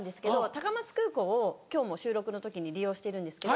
高松空港を今日も収録の時に利用してるんですけど。